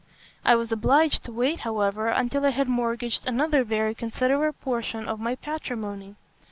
I was obliged to wait, however, until I had mortgaged another very considerable portion of my patrimony.